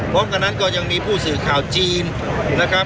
พร้อมกันนั้นก็ยังมีผู้สื่อข่าวจีนนะครับ